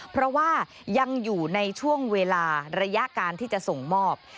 เพราะว่ายังอยู่ในช่วงเวลาระยะการที่จะส่งมอบ